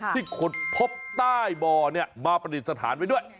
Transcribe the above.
ที่ขดพบใต้บอร์มาประดิษฐานไว้ด้วย